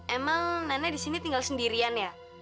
emang nenek di sini tinggal sendirian ya